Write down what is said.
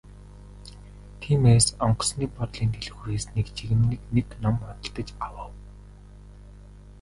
Тиймээс онгоцны буудлын дэлгүүрээс нэг жигнэмэг нэг ном худалдаж авав.